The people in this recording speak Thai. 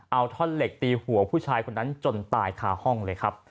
เอาท่อนเหล็กตีหัวผู้ชายคนนั้นจนตายคาห้องเลยครับ